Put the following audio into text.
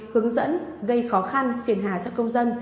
hướng dẫn gây khó khăn phiền hà cho công dân